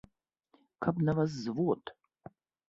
Каб на вас звод!